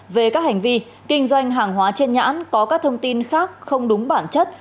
về các hành vi kinh doanh hàng hóa trên nhãn có các thông tin khác không đúng bản chất